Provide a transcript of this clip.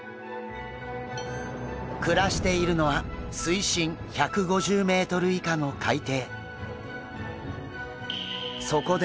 暮らしているのは水深１５０ｍ以下の海底。